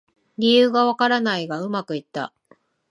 理由がわからないがうまくいった